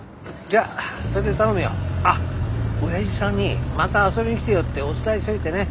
じゃああっ親父さんに「また遊びに来てよ」ってお伝えしといてね。